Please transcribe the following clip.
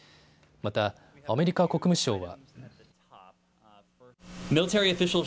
またアメリカ国務省は。